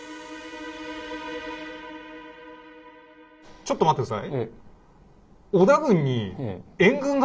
ちょっと待って下さい。